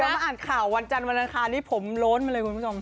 มาอ่านข่าววันจันทร์วันอังคารนี้ผมโล้นมาเลยคุณผู้ชม